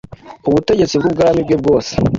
ubutegetsi bw’ubwami bwe bwose.